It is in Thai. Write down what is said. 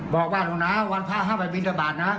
บอกว่าหลวงน้าววันพระห้าบ่ายบิณฑบาทนะ